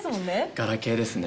ガラケーですね